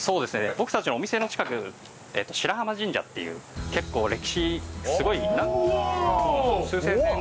僕たちのお店の近く白浜神社っていう結構歴史すごい数千年の。